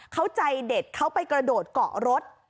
เขาใจเด็ดเขาไปกระโดดเกาะรถ